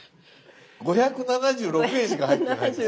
５７６円しか入ってないんですけど。